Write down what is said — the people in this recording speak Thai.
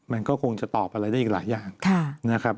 มันก็คงจะตอบอะไรได้อีกหลายอย่างนะครับ